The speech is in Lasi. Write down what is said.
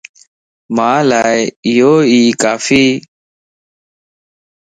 مان لا اھو اي ڪافيَ